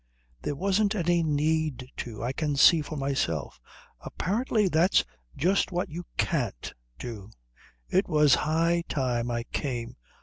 "There wasn't any need to. I can see for myself." "Apparently that's just what you can't do. It was high time I came."